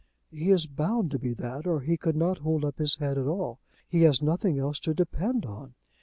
"He is bound to be that, or he could not hold up his head at all. He has nothing else to depend on.